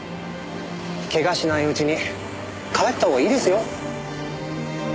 怪我しないうちに帰ったほうがいいですよ。